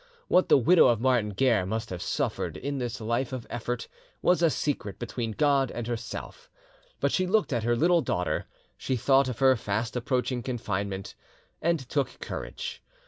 What the widow of Martin Guerre must have suffered in this life of effort was a secret between God and herself, but she looked at her little daughter, she thought of her fast approaching confinement, and took courage.